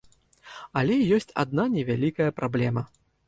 Але ёсць адна невялікая праблема.